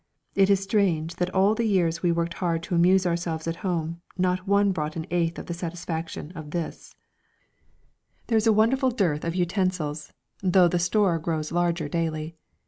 It is strange that all the years we worked hard to amuse ourselves at home not one brought an eighth of the satisfaction of this. There is a wonderful dearth of utensils, though the store grows larger daily.